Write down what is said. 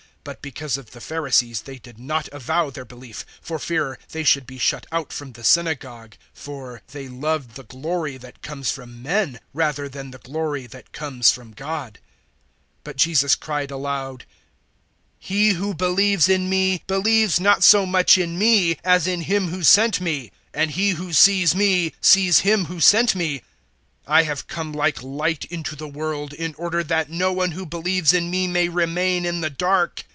But because of the Pharisees they did not avow their belief, for fear they should be shut out from the synagogue. 012:043 For they loved the glory that comes from men rather than the glory that comes from God. 012:044 But Jesus cried aloud, "He who believes in me, believes not so much in me, as in Him who sent me; 012:045 and he who sees me sees Him who sent me. 012:046 I have come like light into the world, in order that no one who believes in me may remain in the dark.